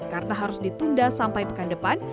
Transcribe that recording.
karena harus ditunda sampai pekan depan